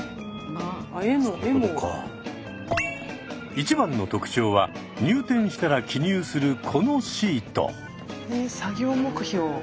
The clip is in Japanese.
一番の特徴は入店したら記入するこのシート。